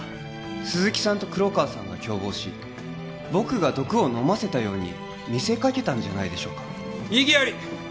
鈴木さんと黒川さんが共謀し僕が毒を飲ませたように見せかけたんじゃないでしょうか異議あり！